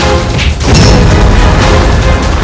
aku ingin memberkannya lagi